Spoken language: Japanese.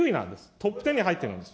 トップ１０に入っているんです。